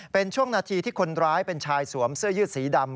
เป็นช่วงนาทีที่คนร้ายเป็นชายสวมเสื้อยืดสีดำ